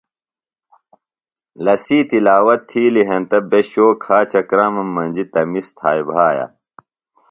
لسی تِلاوت تھیلیۡ ہنتہ بے شو ، کھاچہ کرامم مجیۡ تمیز تھائی بھایہ۔